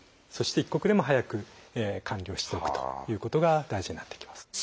そして一刻でも早く管理をしておくということが大事になってきます。